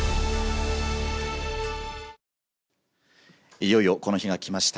いよいよこの日が来ました。